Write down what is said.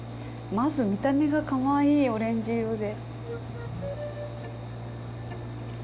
まず見た目がかわいいオレンジ色で。